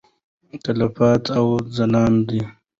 تلپاتې او ځلانده.